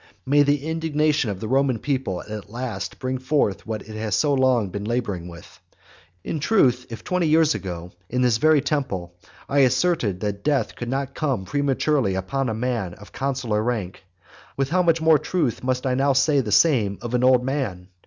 May the indignation of the Roman people at last bring forth what it has been so long labouring with. In truth, if twenty years ago in this very temple I asserted that death could not come prematurely upon a man of consular rank, with how much more truth must I now say the same of an old man?